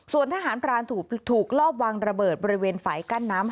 ส่วนทหารพรานถูกลอบวางระเบิดบริเวณฝ่ายกั้นน้ำ